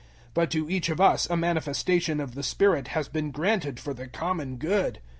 012:007 But to each of us a manifestation of the Spirit has been granted for the common good.